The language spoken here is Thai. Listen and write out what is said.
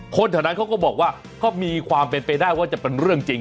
คนแถวนั้นเขาก็บอกว่าก็มีความเป็นไปได้ว่าจะเป็นเรื่องจริง